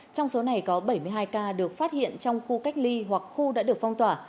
trong số này có bảy mươi hai ca được phát hiện trong khu cách ly hoặc khu đã được phong tỏa